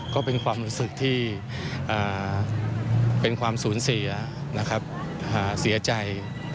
ก็เป็นความรู้สึกที่เป็นความสูญเสียนะครับเสียใจ